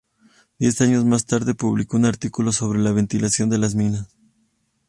Diez años más tarde publicó un artículo sobre la ventilación de las minas.